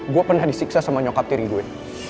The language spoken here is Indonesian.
gue pernah disiksa sama nyokap tiri gue